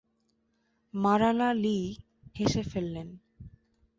মারালা লি হেসে ফেললেন।